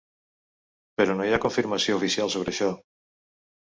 Però no hi ha confirmació oficial sobre això.